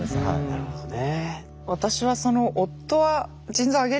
なるほどね。